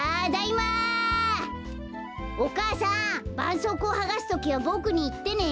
お母さんばんそうこうをはがすときはボクにいってね。